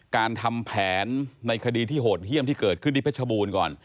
การทำแผนในคดีที่โหดเยี่ยมที่เกิดขึ้นที่เพชรบูรณ์ก่อน